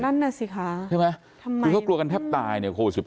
นั่นนะสิคะทำไมเขากลัวกันแทบตายเนี่ย